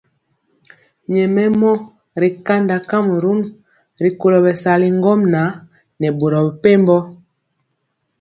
Nyɛmemɔ ri kanda kamrun rikolo bɛsali ŋgomnaŋ nɛ boro mepempɔ.